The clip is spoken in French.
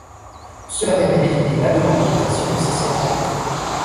Cela permet d'éviter la demande d'autorisation, nécessaire à l'époque.